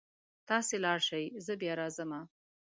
تاسې لاړ شئ زه بیا راځمه